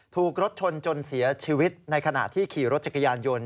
ถูกรถชนจนเสียชีวิตในขณะที่ขี่รถจักรยานยนต์